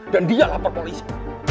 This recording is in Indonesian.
dan dia lapor polisi